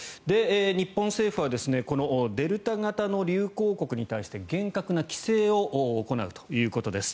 日本政府はこのデルタ型の流行国に対して厳格な規制を行うということです。